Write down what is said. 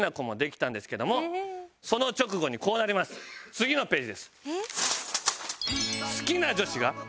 次のページです。